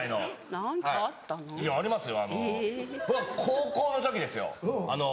高校の時ですよ。